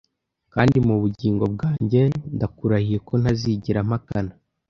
Kandi mubugingo bwanjye ndakurahiye ko ntazigera mpakana.